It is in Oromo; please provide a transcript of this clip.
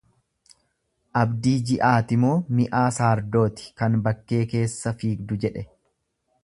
Abdii ji'aatimoo mi'aa saardooti kan bakkee keessa figdu jedhe.